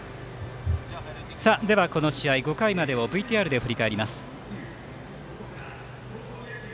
この試合、５回までをＶＴＲで振り返ります。